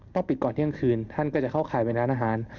ปิดก่อนเที่ยงคืนท่านก็จะเข้าข่ายไปร้านอาหาร